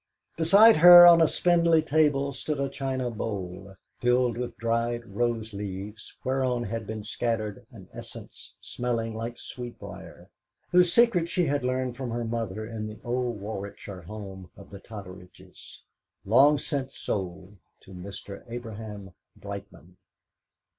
Beside her on a spindley table stood a china bowl filled with dried rose leaves, whereon had been scattered an essence smelling like sweetbriar, whose secret she had learned from her mother in the old Warwickshire home of the Totteridges, long since sold to Mr. Abraham Brightman.